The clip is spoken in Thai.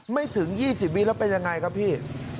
ไม่ถึง๒๐วิแล้วเป็นยังไงครับพี่